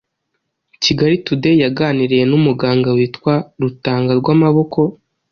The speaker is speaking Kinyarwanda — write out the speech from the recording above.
kigali today yaganiriye n’umuganga witwa rutangarwamaboko,